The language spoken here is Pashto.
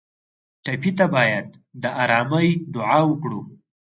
ټپي ته باید د ارامۍ دعا وکړو.